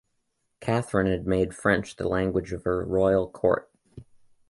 Catherine had made French the language of her royal court.